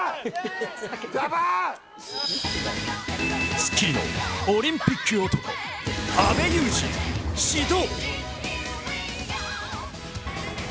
『スッキリ』のオリンピック男・阿部祐二、始動！